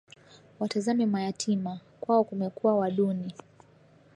Watazame mayatima, kwao kumekua wa duni